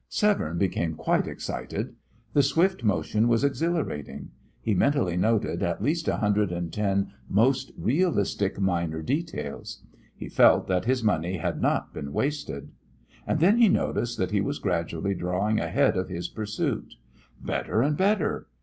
Severne became quite excited. The swift motion was exhilarating. He mentally noted at least a hundred and ten most realistic minor details. He felt that his money had not been wasted. And then he noticed that he was gradually drawing ahead of his pursuit. Better and better!